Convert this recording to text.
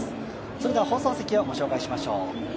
それでは、放送席をご紹介しましょう。